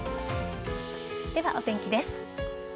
では、お天気です。